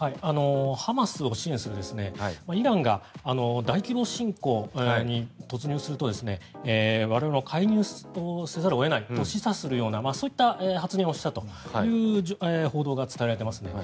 ハマスを支援するイランが大規模侵攻に突入すると我々は介入せざるを得ないと示唆するようなそういった発言をしたという報道が伝えられています。